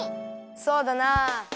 そうだなあ。